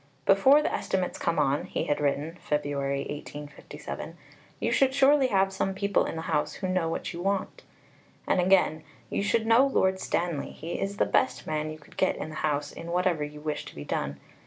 "Before the Estimates come on," he had written (Feb. 1857), "you should surely have some people in the House who know what you want." And again: "You should know Lord Stanley; he is the best man you could get in the House in whatever you wish to be done.